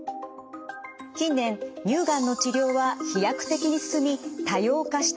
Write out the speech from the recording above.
近年乳がんの治療は飛躍的に進み多様化しています。